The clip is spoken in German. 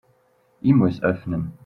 E-Mails öffnen.